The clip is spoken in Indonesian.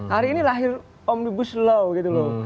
hari ini lahir omnibus law gitu loh